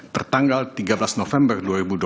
tertanggal tiga belas november dua ribu dua puluh